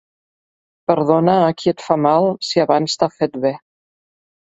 Perdona a qui et fa mal, si abans t'ha fet bé.